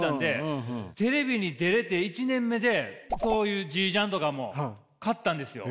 テレビに出れて１年目でそういうジージャンとかも買ったんですよ。